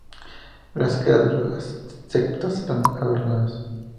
Las caras de los septos están adornadas.